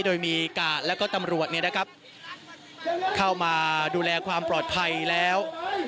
โดยมีกะแล้วก็ตำรวจนี่นะครับเข้ามาดูแลความปลอดภัยแล้ว